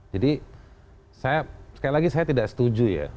jadi saya sekali lagi saya tidak setuju ya